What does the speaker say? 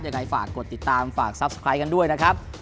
อย่างไรฝากกดติดตามฝากซับสไครบ์กันด้วยนะครับ